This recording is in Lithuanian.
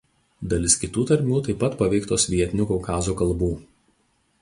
Dalis kitų tarmių taip pat paveiktos vietinių Kaukazo kalbų.